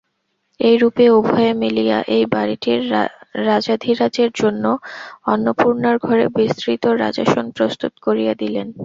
এইরূপে উভয়ে মিলিয়া এই বাড়িটির রাজাধিরাজের জন্য অন্নপূর্ণার ঘরে বিস্তৃত রাজাসন প্রস্তুত করিয়া দিলেন।